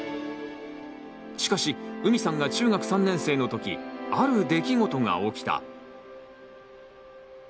しかしうみさんが中学３年生の時ある出来事が起きた。